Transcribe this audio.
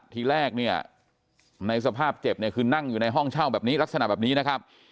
ทีแรกเนี่ยในสภาพเจ็บเนี่ยคือนั่งอยู่ในห้องเช่าแบบนี้ลักษณะแบบนี้นะครับ